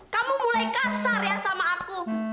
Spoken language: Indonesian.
kamu mulai kasar ya sama aku